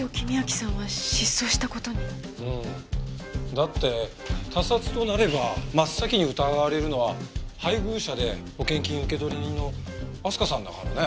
だって他殺となれば真っ先に疑われるのは配偶者で保険金受取人の明日香さんだからね。